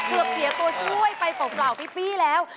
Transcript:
จ่วบเสียตัวช่วยไปปกป่าวพี่ปี้แล้ว